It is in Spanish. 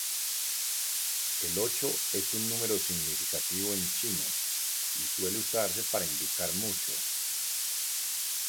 El ocho es un número significativo en Chino, y suele usarse para indicar "muchos".